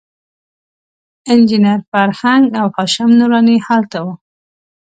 انجینر فرهنګ او هاشم نوراني هلته وو.